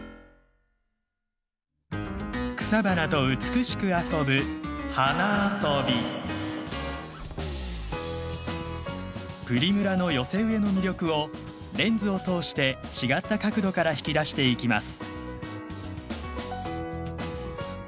草花と美しく遊ぶプリムラの寄せ植えの魅力をレンズを通して違った角度から引き出していきます。